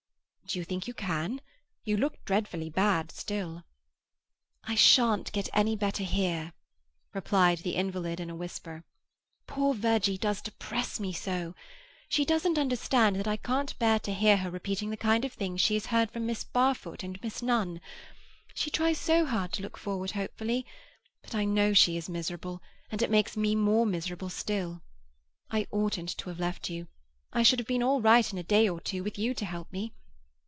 "Do you think you can? You look dreadfully bad still." "I shan't get any better here," replied the invalid in a whisper. "Poor Virgie does depress me so. She doesn't understand that I can't bear to hear her repeating the kind of things she has heard from Miss Barfoot and Miss Nunn. She tries so hard to look forward hopefully—but I know she is miserable, and it makes me more miserable still. I oughtn't to have left you; I should have been all right in a day or two, with you to help me.